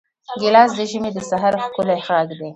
ګیلاس د ژمي د سحر ښکلی غږ دی.